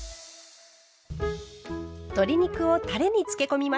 鶏肉をたれにつけ込みます。